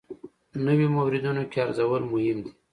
نویو موردونو کې ارزول مهم دي.